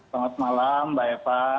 selamat malam mbak eva